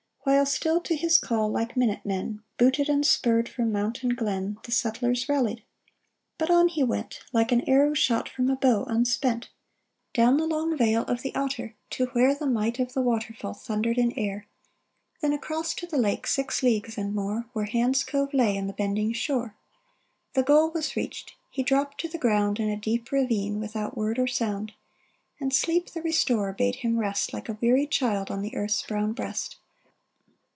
While still to his call, like minute men Booted and spurred, from mount and glen. The settlers rallied. But on he went Like an arrow shot from a bow, unspent, Down the long vale of the Otter to where 422 THE ARMORER S ERRAND The might of the waterfall thundered in air ; Then across to the lake, six leagues and more, Where Hand's Cove lay in the bending shore. The goal was reached. He dropped to the ground In a deep ravine, without word or sound ; And Sleep, the restorer, bade him rest Like a weary child, on the earth's brown breast.